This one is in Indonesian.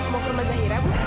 mau ke rumah zahira bu